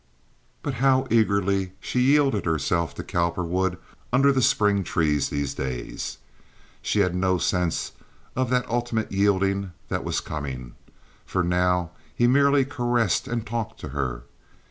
But how eagerly she yielded herself to Cowperwood under the spring trees these days! She had no sense of that ultimate yielding that was coming, for now he merely caressed and talked to her.